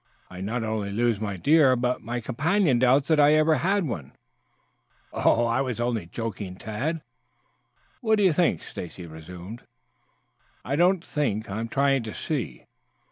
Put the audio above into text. I not only lose my deer, but my companion doubts that I ever had one." "I was only joking, Tad." "All right." "What do you think?" Stacy resumed. "I don't think. I am trying to see."